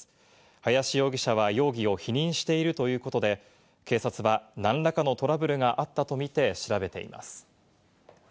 林容疑者は容疑を否認しているということで、警察は何らかのトラブルがあったとみて調べています。